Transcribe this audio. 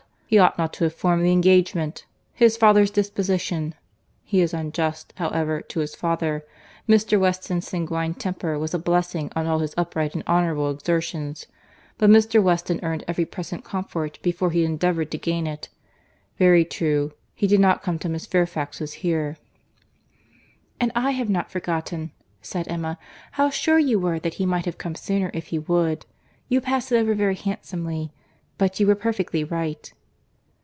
—He ought not to have formed the engagement.—'His father's disposition:'—he is unjust, however, to his father. Mr. Weston's sanguine temper was a blessing on all his upright and honourable exertions; but Mr. Weston earned every present comfort before he endeavoured to gain it.—Very true; he did not come till Miss Fairfax was here." "And I have not forgotten," said Emma, "how sure you were that he might have come sooner if he would. You pass it over very handsomely—but you were perfectly right."